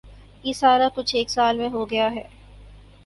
یہ سارا کچھ ایک سال میں ہو گیا ہے۔